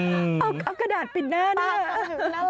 เอากระดาษปิดหน้านะ